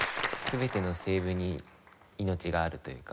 全ての声部に命があるというか。